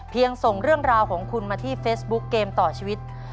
ส่งเรื่องราวของคุณมาที่เฟซบุ๊กเกมต่อชีวิต